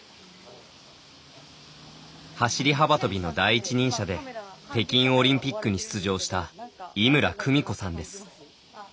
走り幅跳びの第一人者で北京オリンピックに出場した井村久美子さんです。